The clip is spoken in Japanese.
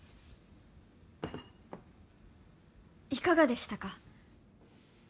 いかがでしたか？